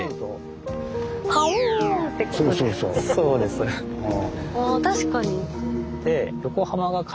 そうでわあ確かに。